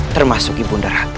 termasuk ibu nda ratu